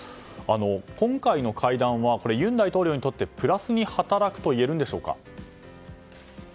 今回の会談は尹大統領にとってプラスに働くといえるんでしょうか？